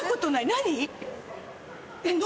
何？